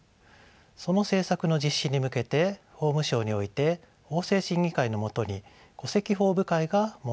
その政策の実施に向けて法務省において法制審議会の下に戸籍法部会が設けられました。